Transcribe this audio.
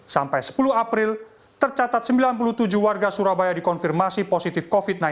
sampai sepuluh april tercatat sembilan puluh tujuh warga surabaya dikonfirmasi positif kofit sembilan belas empat ratus sembilan puluh tujuh pasien dalam